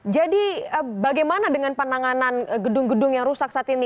jadi bagaimana dengan penanganan gedung gedung yang rusak saat ini